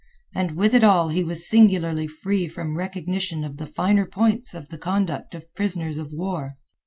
And with it all he was singularly free from recognition of the finer points of the conduct of prisoners of war.